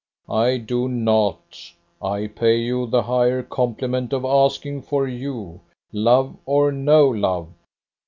"I do not. I pay you the higher compliment of asking for you, love or no love.